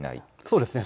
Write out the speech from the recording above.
そうですね。